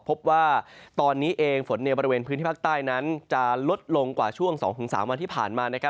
พบว่าตอนนี้เองฝนในบริเวณพื้นที่ภาคใต้นั้นจะลดลงกว่าช่วง๒๓วันที่ผ่านมา